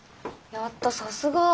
やったさすが。